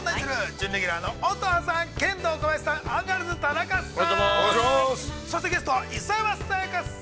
準レギュラーの乙葉さん、ケンドーコバヤシさん、アンガールズ・田中さん。